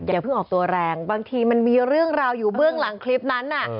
อย่าเพิ่งออกตัวแรงบางทีมันมีเรื่องราวอยู่เบื้องหลังคลิปนั้นน่ะ